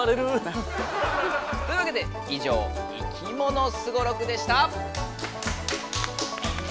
というわけで以上「いきものスゴロク」でした！